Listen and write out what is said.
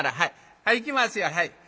はいいきますよ。